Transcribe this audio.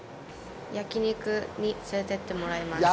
焼肉に連れて行ってもらいます。